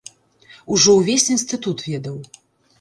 Ужо увесь інстытут ведаў.